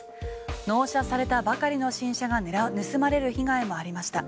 納車されたばかりの新車が盗まれる被害もありました。